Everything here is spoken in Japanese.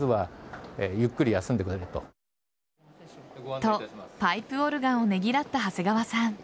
と、パイプオルガンをねぎらった長谷川さん。